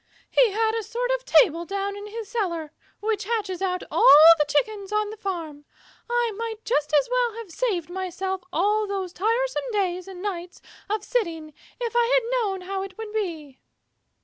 He has a sort of table down in his cellar which hatches out all the Chickens on the farm. I might just as well have saved myself all those tiresome days and nights of sitting if I had known how it would be."